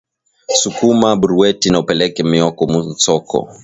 Sukuma buruweti na upeleke mioko mu nsoko